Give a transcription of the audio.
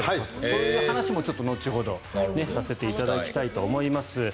その話も後ほどさせていただきたいと思います。